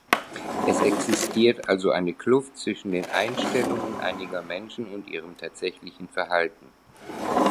Es existiert also eine Kluft zwischen den Einstellungen einiger Menschen und ihrem tatsächlichen Verhalten.